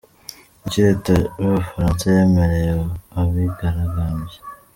Ni iki leta y'Ubufaransa yemereye abigaragambya?.